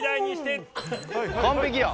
完璧や。